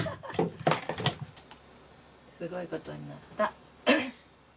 すごいことになった。